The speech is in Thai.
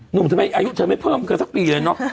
หนุ่มทำไมอายุเธอไม่เพิ่มเธอสักปีเลยเนอะ